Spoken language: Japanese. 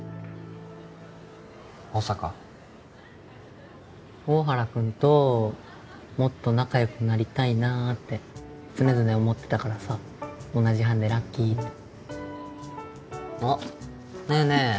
保坂大原君ともっと仲よくなりたいなって常々思ってたからさ同じ班でラッキーってあっねえねえ